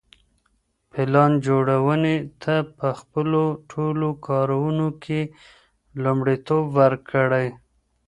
پلان جوړوني ته په خپلو ټولو کارونو کي لومړیتوب ورکړئ.